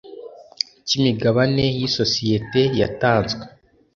cy imigabane y isosiyete yatanzwe